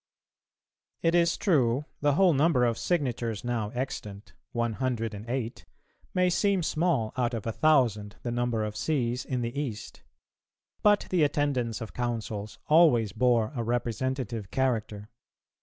It is true the whole number of signatures now extant, one hundred and eight, may seem small out of a thousand, the number of Sees in the East; but the attendance of Councils always bore a representative character.